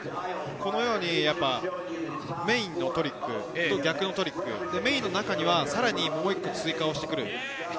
このようにメインのトリックと逆のトリック、メインの中にはさらにもう１個、追加をしてくる。